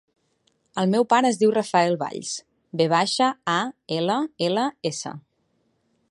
El meu pare es diu Rafael Valls: ve baixa, a, ela, ela, essa.